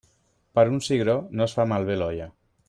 Per un cigró no es fa malbé l'olla.